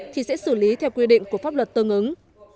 thì sẽ xử lý theo quy định của pháp luật tương ứng